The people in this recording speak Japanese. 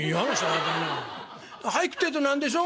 「俳句ってえと何でしょ？